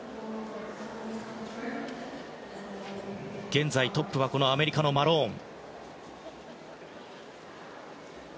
現在、トップはアメリカのマローン。